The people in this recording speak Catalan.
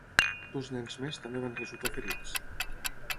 Dos nens més també van resultar ferits.